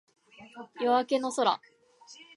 夜明けの空